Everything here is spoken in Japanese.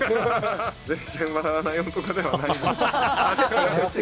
全然笑わない男ではない。